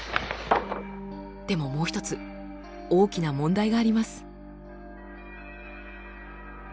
でももう一つ大きな問題があります。